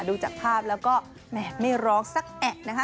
ดูจากภาพแล้วก็แหมไม่ร้องสักแอะนะคะ